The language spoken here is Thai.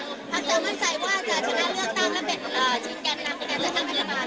พักเรามั่นใจว่าจะชนะเลือกตั้งและเป็นทีมแก่นำในการจัดตั้งรัฐบาล